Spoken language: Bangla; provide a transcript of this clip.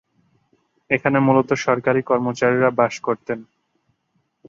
এখানে মূলত সরকারী কর্মচারীরা বাস করতেন।